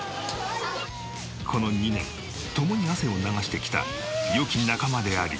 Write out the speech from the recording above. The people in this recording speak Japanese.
この２年共に汗を流してきた良き仲間であり良きライバル。